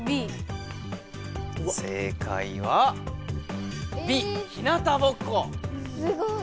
正解はすごい！